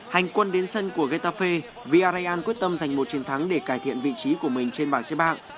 hành quân đến sân của ghtafe viarrayan quyết tâm giành một chiến thắng để cải thiện vị trí của mình trên bảng xếp hạng